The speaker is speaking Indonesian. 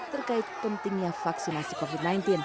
terkait pentingnya vaksinasi covid sembilan belas